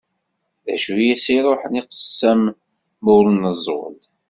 D acu i as-iruḥen i qessam ma ur neẓẓul?